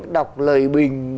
đọc lời bình